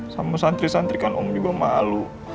sama santri santri kan om juga malu